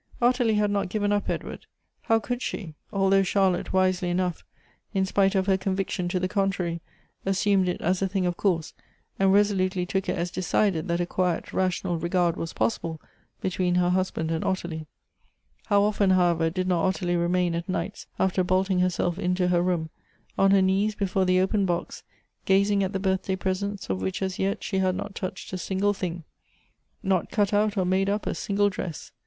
Ottilie had not given up Edward — how could she? — although Charlotte, wisely enough, in spite of her con viction to the contrary, assumed it as a thing of course, and resolutely took it as decided that a quiet rational regard was possible between her husband and Ottilie. How often, however, did not Ottilie remain at nights, after bolting herself into her room, on her knees before the open box, gazing at the birthday presents, of which as yet she had not touched a single thing — not cut out or made up a single dress